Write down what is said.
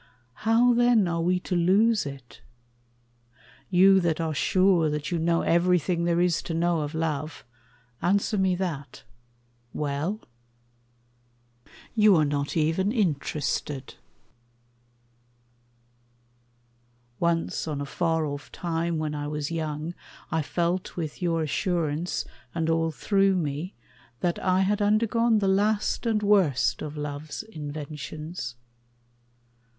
How, then, are we to lose it? You that are sure that you know everything There is to know of love, answer me that. Well? ... You are not even interested. Once on a far off time when I was young, I felt with your assurance, and all through me, That I had undergone the last and worst Of love's inventions.